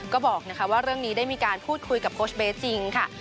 ก็บอกว่าเรื่องนี้ได้มีการพูดคุยกับโค้ชเบสจริงค่ะ